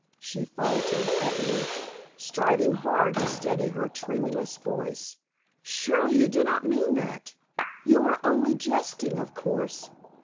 she faltered at length, striving hard to steady her tremulous voice, "surely you do not mean that? You are only jesting, of course.